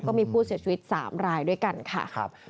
ก็มีผู้เสียชีวิต๓รายด้วยกันค่ะ